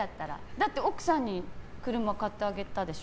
だって奥さんに車、買ってあげたでしょ？